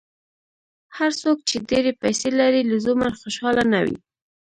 هر څوک چې ډېرې پیسې لري، لزوماً خوشاله نه وي.